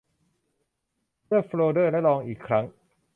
เลือกโฟลเดอร์และลองอีกครั้ง